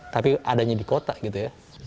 tapi adanya di kota gitu ya